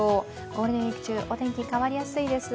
ゴールデンウイーク中、お天気変わりやすいです。